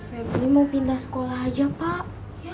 febri mau pindah sekolah aja pak